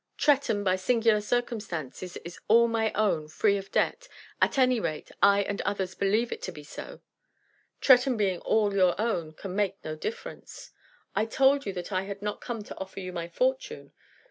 Tretton, by singular circumstances, is all my own, free of debt. At any rate, I and others believe it to be so." "Tretton being all your own can make no difference." "I told you that I had not come to offer you my fortune."